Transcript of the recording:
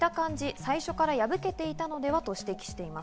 最初から破けていたのではと指摘しています。